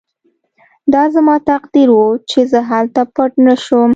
دا زما تقدیر و چې زه هلته پټ نه شوم